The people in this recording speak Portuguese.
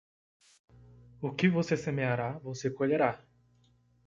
O que você semeará, você colherá.